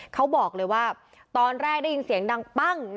เขาบอกเลยว่าตอนแรกได้ยินเสียงดังปั้ง